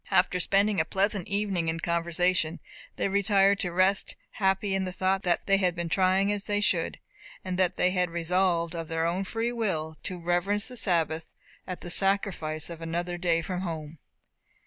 After spending a pleasant evening in conversation, they retired to rest, happy in the thought that they had been trying to live as they should, and that they had resolved, of their own free will, to reverence the Sabbath, at the sacrifice of another day from home.